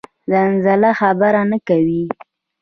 زلزله خبر نه کوي